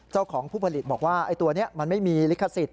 เจ้าของผู้ผลิตบอกว่าไอ้ตัวนี้มันไม่มีลิขสิทธิ